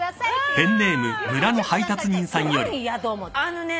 あのね